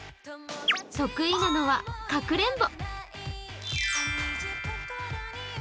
得意なのはかくれんぼ。